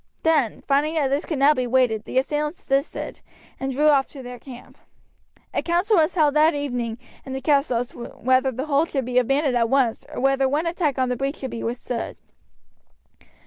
Then, finding that this could now be waded, the assailants desisted, and drew off to their camp. A council was held that evening in the castle as to whether the hold should be abandoned at once or whether one attack on the breach should be withstood.